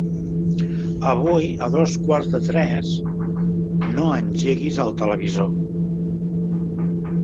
Avui a dos quarts de tres no engeguis el televisor.